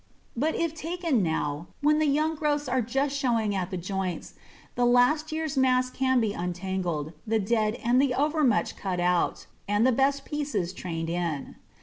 But if taken now, when the young growths are just showing at the joints, the last year's mass can be untangled, the dead and the over much cut out, and the best pieces trained in.